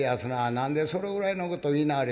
何でそれぐらいのこと言いなはれ。